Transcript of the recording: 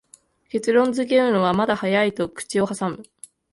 結論づけるのはまだ早いと口をはさむ